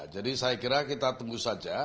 jadi saya kira kita tunggu saja